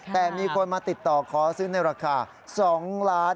แต่มีคนมาติดต่อขอซื้อในราคา๒๔๐๐๐๐๐บาท